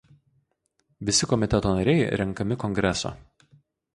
Visi komiteto nariai renkami kongreso.